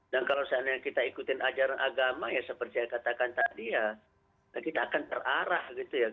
dan kalau misalnya kita ikutin ajaran agama ya seperti saya katakan tadi ya kita akan terarah gitu ya